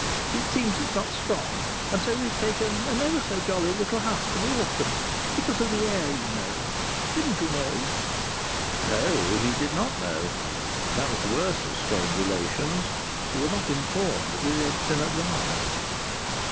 It seems it's not strong. And so we've taken an ever so jolly little house for the autumn, because of the air, you know. Didn't you know?" No, he did not know. That was the worst of strained relations. You were not informed of events in advance.